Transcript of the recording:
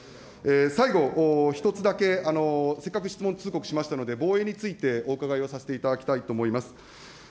最後、１つだけ、せっかく質問通告しましたので、防衛についてお伺いをさせていただきたいと思います。